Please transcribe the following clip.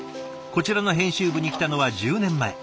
こちらの編集部に来たのは１０年前。